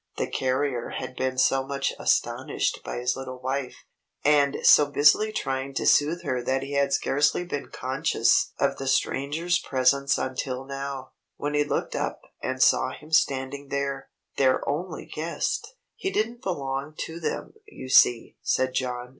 The carrier had been so much astonished by his little wife, and so busily trying to sooth her that he had scarcely been conscious of the Stranger's presence until now, when he looked up and saw him standing there, their only guest! "He don't belong to them, you see," said John.